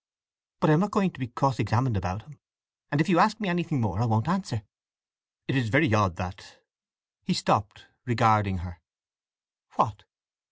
But I am not going to be cross examined about him; and if you ask anything more I won't answer!" "It is very odd that—" He stopped, regarding her. "What?"